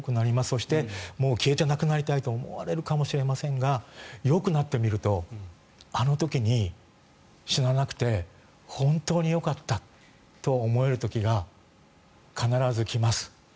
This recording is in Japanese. そしてもう消えてなくなりたいと思うかもしれませんがよくなってみるとあの時に死ななくて本当によかったと思える時が必ず来ます。